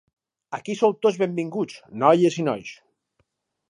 Aquí sou tots benvinguts, noies i nois.